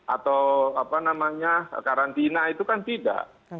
atau karantina itu kan tidak